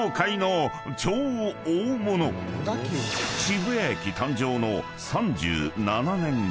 ［渋谷駅誕生の３７年後］